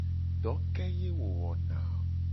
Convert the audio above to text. Do ke ye wo wona a o?